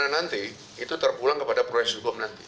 lalu bagaimana nanti itu terpulang kepada proyek hukum nanti